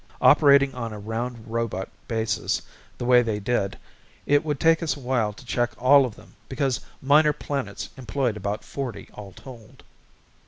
Operating on a round robot basis the way they did, it would take us a while to check all of them because Minor Planets employed about forty all told.